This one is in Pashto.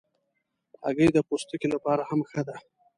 هګۍ د پوستکي لپاره هم ښه ده.